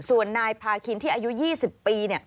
ส่วนนายพาคินที่อายุ๒๐ปี